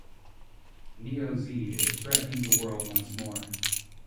Neo Zeed is threatening the world once more.